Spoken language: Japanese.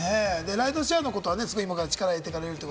ライドシェアのことは今から力入れていくよって。